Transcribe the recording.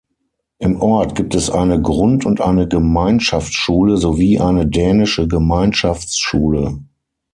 Im Ort gibt es eine Grund- und eine Gemeinschaftsschule sowie eine dänische Gemeinschaftsschule.